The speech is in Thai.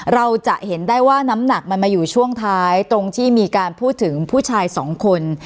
เราจะเห็นได้ว่าน้ำหนักมันมาอยู่ช่วงท้ายตรงที่มีการพูดถึงผู้ชายสองคน